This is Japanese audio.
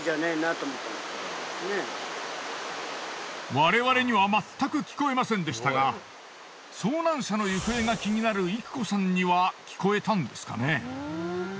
我々にはまったく聞こえませんでしたが遭難者の行方が気になるいく子さんには聞こえたんですかね。